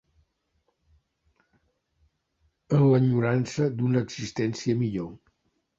En l'enyorança d'una existència millor